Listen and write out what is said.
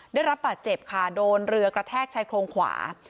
ได้รับบาดเจ็บค่ะโดนเรือกระแทกชายโครงขวา